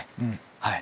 はい。